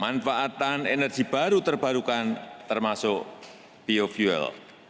manfaatan energi baru terbarukan termasuk biofuel